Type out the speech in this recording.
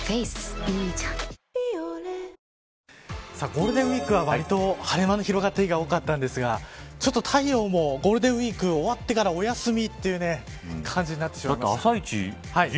ゴールデンウイークはわりと晴れ間の広がった日が多かったんですがちょっと太陽もゴールデンウイーク終わってからお休みという感じになってしまいました。